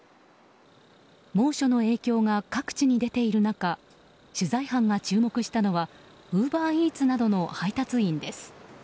猛暑の影響が各地に出ている中取材班が注目したのはウーバーイーツなどの配達員です。